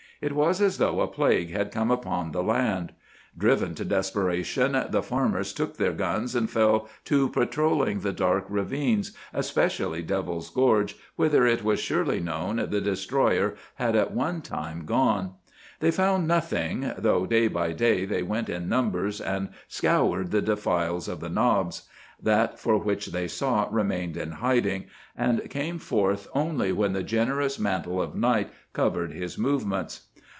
It was as though a plague had come upon the land. Driven to desperation, the farmers took their guns and fell to patrolling the dark ravines, especially Devil's Gorge, whither it was surely known the destroyer had at one time gone. They found nothing, though day by day they went in numbers and scoured the defiles of the knobs. That for which they sought remained in hiding, and came forth only when the generous mantle of night covered his movements.